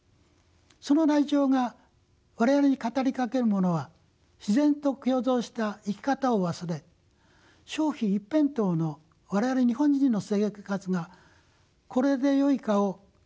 そのライチョウが我々に語りかけるものは自然と共存した生き方を忘れ消費一辺倒の我々日本人の生活がこれでよいかを問いかけてるように思います。